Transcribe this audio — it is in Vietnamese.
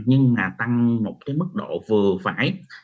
nhưng mà tăng một cái mức độ vừa phải